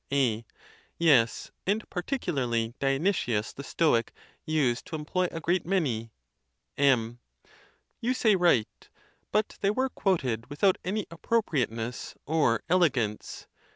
. A. Yes, and particularly Dionysius the Stoic used to employ a great many. MM, You say right; but they were quoted without any appropriateness or elegance.